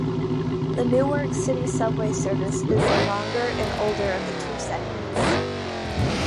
The Newark City Subway service is the longer and older of the two segments.